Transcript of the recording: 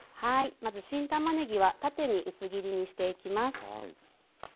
まず新たまねぎは縦に薄切りにしていきます。